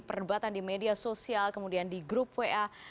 perdebatan di media sosial kemudian di grup wa